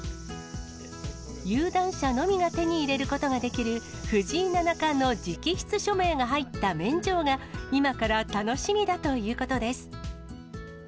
有段者のみが手に入れることができる、藤井七冠の直筆署名が入った免状が、今から楽しみだということです。